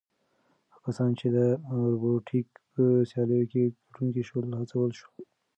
هغه کسان چې د روبوټیک په سیالیو کې ګټونکي شول هڅول شول.